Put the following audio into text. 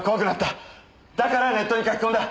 だからネットに書き込んだ。